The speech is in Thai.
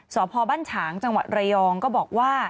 สพบ้านฉางจังหวัดระยองก็บอกว่า